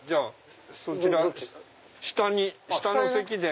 そちら下の席で。